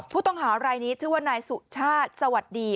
ผู้ต้องหารายนี้ชื่อว่านายสุชาติสวัสดี